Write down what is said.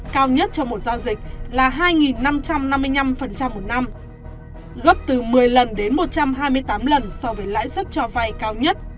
cao nhất cho một giao dịch là hai năm trăm năm mươi năm một năm gấp từ một mươi lần đến một trăm hai mươi tám lần so với lãi suất cho vay cao nhất